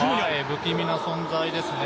不気味な存在ですね。